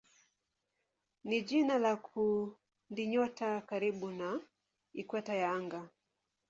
ni jina la kundinyota karibu na ikweta ya anga.